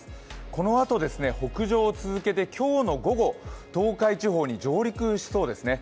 このあと、北上を続けて今日の午後東海地方に上陸しそうですね。